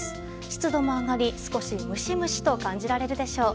湿度も上がり、少しムシムシと感じられるでしょう。